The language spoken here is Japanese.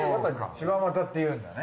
柴又って言うんだね。